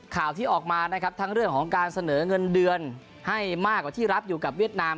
ข่าวที่ออกมานะครับทั้งเรื่องของการเสนอเงินเดือนให้มากกว่าที่รับอยู่กับเวียดนาม